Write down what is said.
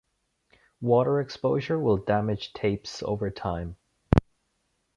Water exposure will damage tapes over time.